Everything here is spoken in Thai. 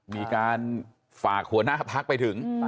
มีการฝากหัวหน้าพักไปถึง